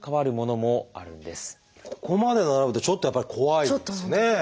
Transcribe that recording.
ここまで並ぶとちょっとやっぱり怖いですね。